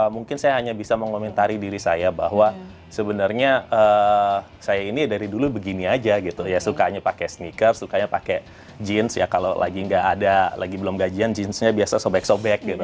mungkin saya hanya bisa mengomentari diri saya bahwa sebenarnya saya ini dari dulu begini aja gitu ya sukanya pakai sneakers sukanya pakai jeans ya kalau lagi nggak ada lagi belum gajian jeansnya biasa sobek sobek gitu